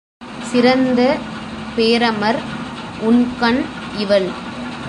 சிறந்த பேரமர் உண்கண் இவள்!